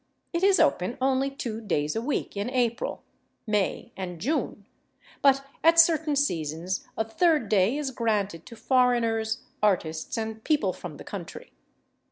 It is open only two days a week in April, May, and June, but at certain seasons a third day is granted to foreigners, artists, and people from the country.